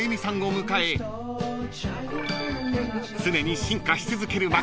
迎え常に進化し続ける街